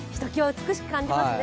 美しく感じますね。